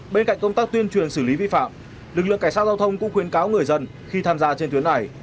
bên cạnh công tác tuyên truyền xử lý vi phạm lực lượng cảnh sát giao thông cũng khuyến cáo người dân khi tham gia trên tuyến này